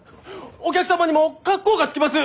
お客様にも格好がつきます！